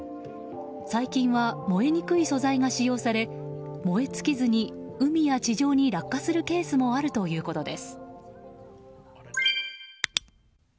最近は燃えにくい素材が使用され燃え尽きずに海や地上に落下するケースもあるということです。